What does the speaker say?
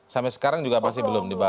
sampai sekarang juga masih belum dibahas